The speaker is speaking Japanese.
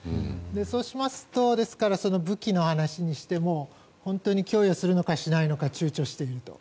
そうしますと武器の話にしても本当に供与するのか、しないのか躊躇している。